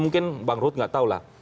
mungkin bang ruhut nggak tahu lah